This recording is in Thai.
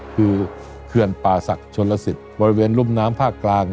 คือเคลื่อนปาศักดิ์โชลสิตบริเวณรุมน้ำภาคกลาง